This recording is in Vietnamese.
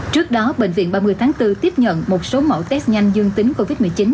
trước đó bệnh viện ba mươi tháng bốn tiếp nhận một số mẫu test nhanh dương tính covid một mươi chín